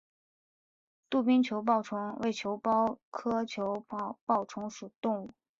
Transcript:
杜宾球孢虫为球孢科球孢虫属的动物。